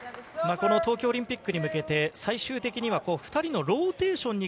この東京オリンピックに向けて最終的には２人のローテーションに